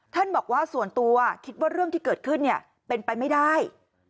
บอกว่าส่วนตัวคิดว่าเรื่องที่เกิดขึ้นเป็นไปไม่ได้